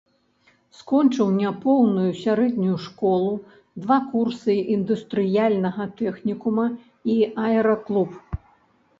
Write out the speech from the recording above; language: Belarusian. Скончыў няпоўную сярэднюю школу, два курсы індустрыяльнага тэхнікума і аэраклуб.